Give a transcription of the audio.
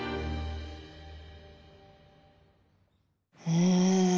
うん。